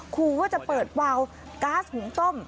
คูว่าจะเปิดเปล่าก๊าซหญุงต้ม